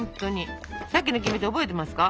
さっきのキメテ覚えてますか？